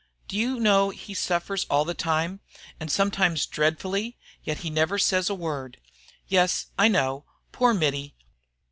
"Do you know he suffers all the time, and sometimes dreadfully, yet he never says a word?" "Yes, I know. Poor Mittie!"